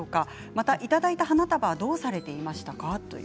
また、いただいた花束はどうされていましたか？